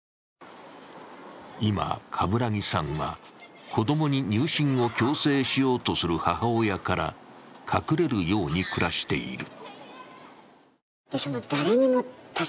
今、冠木さんは、子供に入信を強制しようとする母親から隠れるように暮らしている。